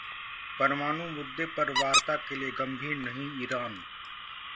परमाणु मुद्दे पर वार्ता के लिए गंभीर नहीं ईरान